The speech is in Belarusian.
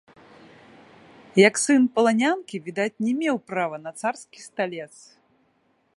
Як сын паланянкі, відаць, не меў права на царскі сталец.